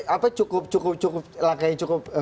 apa cukup cukup cukup